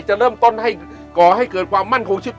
จะเริ่มต้นให้ก่อให้เกิดความมั่นคงชีวิต